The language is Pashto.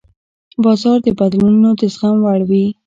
بازار د بدلونونو د زغم وړ وي.